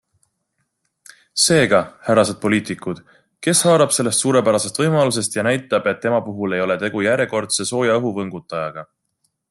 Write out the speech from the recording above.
Seega, härrased poliitikud - kes haarab sellest suurepärasest võimalusest ja näitab, et tema puhul ei ole tegu järjekordse sooja õhu võngutajaga?